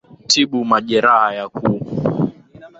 tibu majeraha ya ku